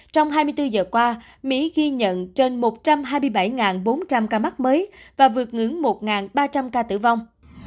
trong hai mươi bốn giờ qua mỹ ghi nhận trên một trăm hai mươi bảy bốn trăm linh ca mắc mới và vượt ngưỡng một ba trăm linh ca tử vong